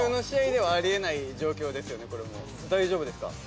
大丈夫ですか？